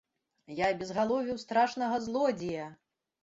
Я абезгаловіў страшнага злодзея!